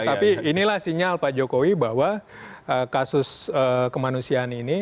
tapi inilah sinyal pak jokowi bahwa kasus kemanusiaan ini